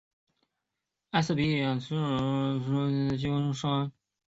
埃塞俄比亚很直接的对意大利印象深刻的就是海关在这里上班。